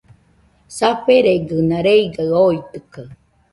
Saferegɨna reigaɨ oitɨkaɨ